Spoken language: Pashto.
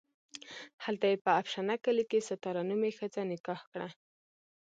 هلته یې په افشنه کلي کې ستاره نومې ښځه نکاح کړه.